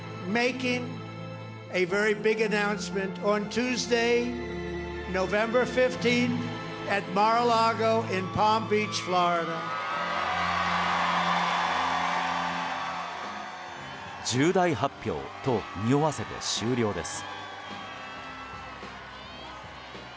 重大発表とにおわせて終了です。